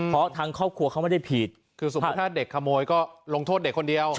เพราะทางครอบครัวเขาไม่ได้ผิดคือสมมุติถ้าเด็กขโมยก็ลงโทษเด็กคนเดียว